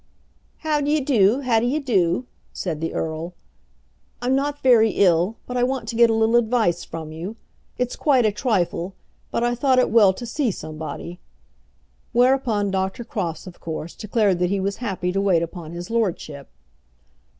"How d'ye do, how d'ye do?" said the earl. "I'm not very ill, but I want to get a little advice from you. It's quite a trifle, but I thought it well to see somebody." Whereupon Dr. Crofts of course declared that he was happy to wait upon his lordship.